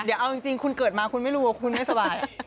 เดี๋ยวเอาจริงคุณเกิดมาคุณไม่รู้ว่าคุณไม่สบาย